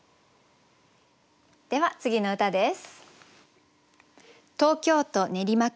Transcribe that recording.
では次の歌です。